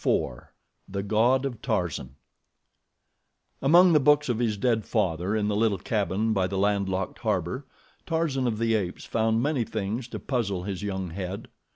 4 The God of Tarzan AMONG THE BOOKS of his dead father in the little cabin by the land locked harbor, Tarzan of the Apes found many things to puzzle his young head.